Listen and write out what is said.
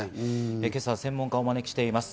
今朝は専門家をお招きしています。